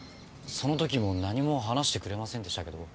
その時も何も話してくれませんでしたけど。